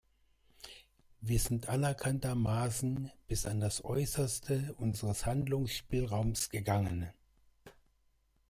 Wir sind anerkanntermaßen bis an das Äußerste unseres Handlungsspielraums gegangen.